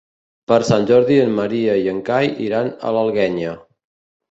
Per Sant Jordi en Maria i en Cai iran a l'Alguenya.